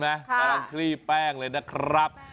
กำลังคลี่แป้งเลยนะครับ